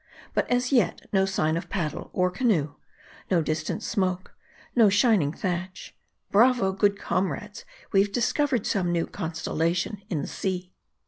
But as yet, no sign of paddle or canoe ; no distant smoke ; no shining thatch. Bravo ! good comrades, we've discovered some new constellation in the sea.